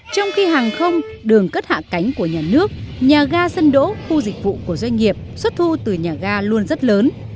trong khi hàng không đường cất hạ cánh của nhà nước nhà ga sân đỗ khu dịch vụ của doanh nghiệp xuất thu từ nhà ga luôn rất lớn